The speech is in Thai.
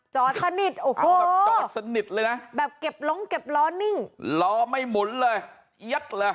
จอดสนิทเลยนะแบบเก็บร้องเก็บล้อนิ่งล้อไม่หมุนเลย๐๙๐๕